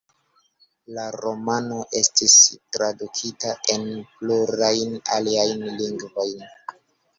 La romano estis tradukita en plurajn aliajn lingvojn.